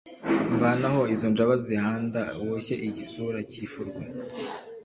mvanaho izo njaba zihanda woshye igisura cyifurwe"